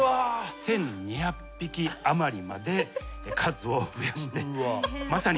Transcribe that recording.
１，２００匹余りまで数を増やしてまさに。